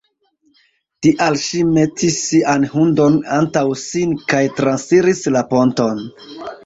Tial ŝi metis sian hundon antaŭ sin kaj transiris la ponton.